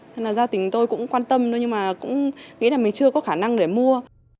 nên là gia đình tôi cũng quan tâm nhưng mà cũng nghĩ là mình chưa có khả năng để mua